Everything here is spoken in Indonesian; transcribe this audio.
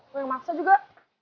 lo yang maksa juga